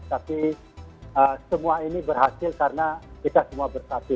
tapi semua ini berhasil karena kita semua bersatu